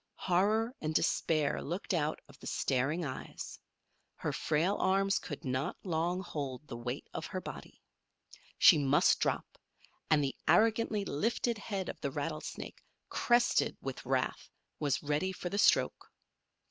Horror and despair looked out of the staring eyes. Her frail arms could not long hold the weight of her body. She must drop, and the arrogantly lifted head of the rattlesnake, crested with wrath, was ready for the stroke.